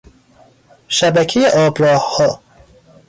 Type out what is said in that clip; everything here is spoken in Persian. شبکهی آبراهها